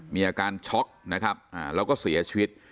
มีอาการช็อกนะครับแล้วก็เสียชีวิต